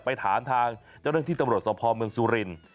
ไปถามทางเจ้าเรื่องที่ตำรวจสะพอเมืองสุริน